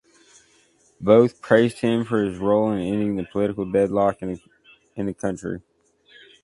Both praised him for his role in ending the political deadlock in the country.